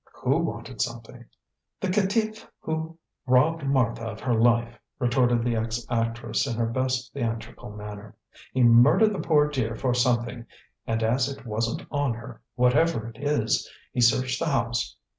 "Who wanted something?" "The caitiff who robbed Martha of her life," retorted the ex actress in her best theatrical manner. "He murdered the poor dear for something, and as it wasn't on her whatever it is he searched the house.